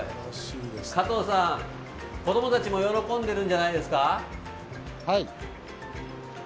加藤さん、子どもたちもよろこんでるんじゃないですか。